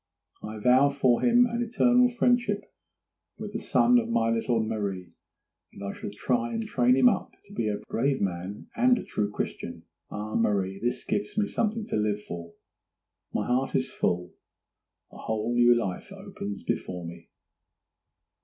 I vow for him an eternal friendship with the son of my little Marie; and I shall try and train him up to be a brave man and a true Christian. Ah, Marie, this gives me something to live for. My heart is full—a whole new life opens before me!